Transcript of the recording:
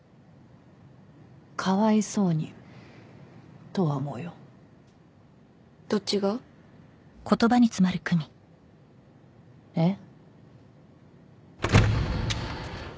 「かわいそうに」とは思うよどっちが？えっ？